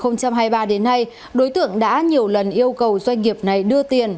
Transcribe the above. năm hai nghìn hai mươi ba đến nay đối tượng đã nhiều lần yêu cầu doanh nghiệp này đưa tiền